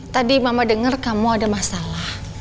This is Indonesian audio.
tadi mama dengar kamu ada masalah